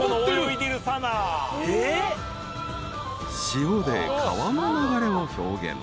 ［塩で川の流れを表現］